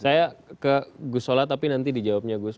saya ke gus sola tapi nanti dijawabnya gus